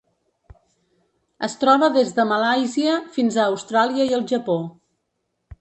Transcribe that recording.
Es troba des de Malàisia fins a Austràlia i el Japó.